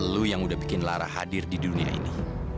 lu yang udah bikin lara hadir di dunia ini